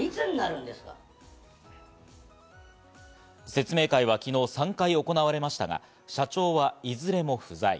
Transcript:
説明会は昨日３回行われましたが、社長はいずれも不在。